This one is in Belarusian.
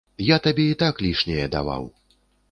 Я табе і так лішняе даваў.